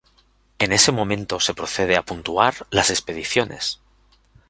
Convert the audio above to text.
En ese momento se procede a puntuar las expediciones.